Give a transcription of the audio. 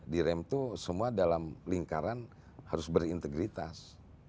direm itu semua dalam lingkaran harus berintegritas